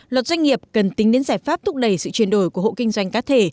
luật doanh nghiệp cần tính đến giải pháp thúc đẩy sự chuyển đổi của hộ kinh doanh cá thể